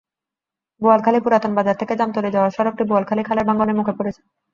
বোয়ালখালী পুরাতন বাজার থেকে জামতলী যাওয়ার সড়কটি বোয়ালখালী খালের ভাঙনের মুখে পড়েছে।